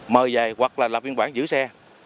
mời về hoặc là lập biên bản giữ xe